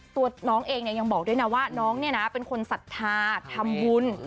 ตัวน้องเองยังบอกด้วยนะว่าน้องเนี่ยนะเป็นคนศรัทธาทำบุญ